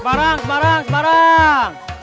semarang semarang semarang